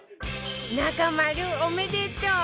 中丸おめでとう！